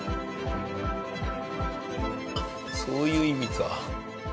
そういう意味か。